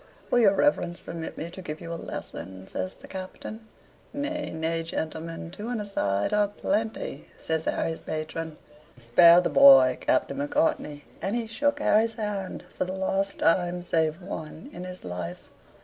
"Will your Reverence permit me to give you a lesson?" says the Captain. "Nay, nay, gentlemen, two on a side are plenty," says Harry's patron. "Spare the boy, Captain Macartney," and he shook Harry's hand for the last time, save one, in his life.